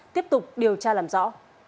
tiếp tục điều tra làm rõ